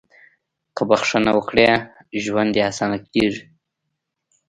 • که بښنه وکړې، ژوند دې اسانه کېږي.